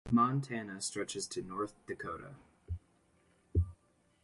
Montana stretches to North Dakota.